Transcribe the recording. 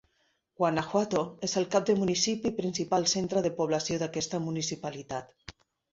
Guanajuato és el cap de municipi i principal centre de població d'aquesta municipalitat.